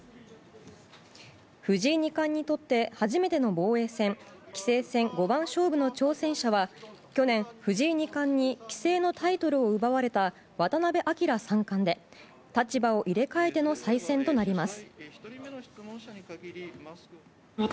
藤井二冠にとって初めての防衛戦棋聖戦五番勝負の挑戦者は去年、藤井二冠に棋聖のタイトルを奪われた渡辺明三冠で立場を入れ替えての再戦となります。